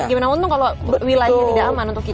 gimana untung kalau wilayahnya tidak aman untuk kita